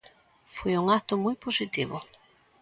Foi un acto moi positivo.